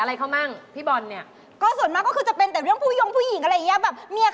เน้นของกินเลยค่ะค่ะเวลาซื้อนี่ดูป้ายราคาบ้างเปล่า